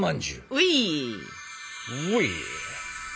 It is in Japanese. うい！